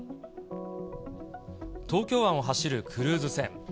東京湾を走るクルーズ船。